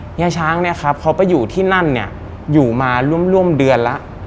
เฮียช้างเนี่ยครับเขาไปอยู่ที่นั่นเนี่ยอยู่มาร่วมร่วมเดือนแล้ว